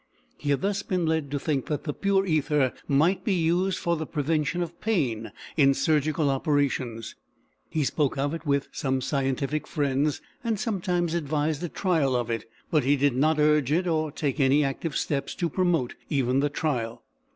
He had thus been led to think that the pure ether might be used for the prevention of pain in surgical operations; he spoke of it with some scientific friends, and sometimes advised a trial of it; but he did not urge it or take any active steps to promote even the trial.